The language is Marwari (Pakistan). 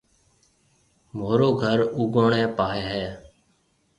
مهورو گھر اُوگوڻي پاهيَ هيَ۔